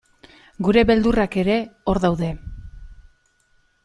Gure beldurrak ere hor daude.